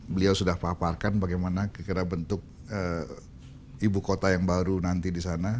beliau sudah paparkan bagaimana kira kira bentuk ibu kota yang baru nanti di sana